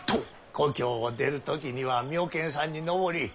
故郷を出る時には妙見山に登り